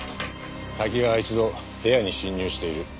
瀧川は一度部屋に侵入している。